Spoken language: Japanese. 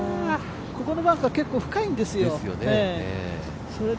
ここのバンカー結構、深いんですよ。